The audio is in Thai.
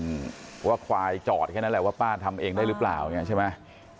เพราะว่าควายจอดแค่นั้นแหละว่าป้าทำเองได้หรือเปล่าใช่ไหม